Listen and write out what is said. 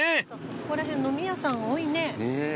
ここら辺飲み屋さんが多いね。